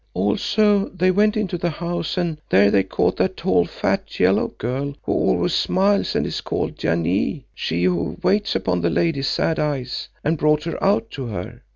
Also they went into the house and there they caught that tall fat yellow girl who always smiles and is called Janee, she who waits upon the Lady Sad Eyes, and brought her out to her.